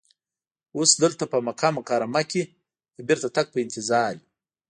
اوس دلته په مکه مکرمه کې د بېرته تګ په انتظار یو.